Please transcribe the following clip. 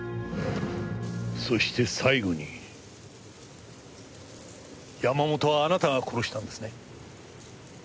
そして最後に山本はあなたが殺したんですね？